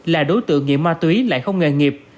là đối tượng nghiện ma túy lại không nghề nghiệp